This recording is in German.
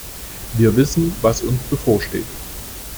Wir wissen, was uns bevorsteht.